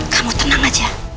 kamu tenang aja